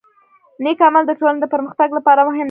نیک عمل د ټولنې د پرمختګ لپاره مهم دی.